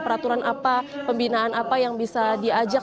peraturan apa pembinaan apa yang bisa diajak